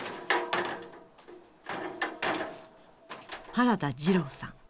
原田二郎さん